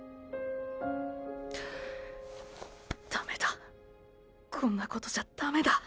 ダメだこんなことじゃダメだ。